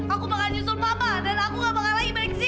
aku bakal nyusul mama dan aku gak bakal lagi balik ke sini